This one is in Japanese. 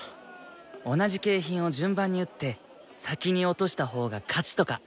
同じ景品を順番に撃って先に落としたほうが勝ちとか。